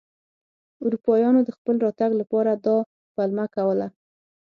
اروپایانو د خپل راتګ لپاره دا پلمه کوله.